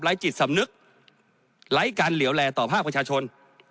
จิตสำนึกไร้การเหลวแลต่อภาคประชาชน